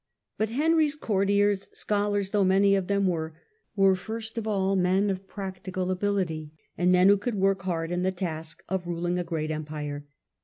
But Henry's courtiers, scholars though many of them were, were first of all men of practical ability, and men who would work hard in the task of ruling a great empire.